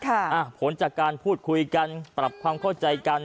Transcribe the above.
ผลจากการพูดคุยกันปรับความเข้าใจกัน